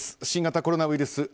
新型コロナウイルス